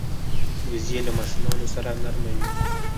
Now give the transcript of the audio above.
وزې له ماشومانو سره نرمه وي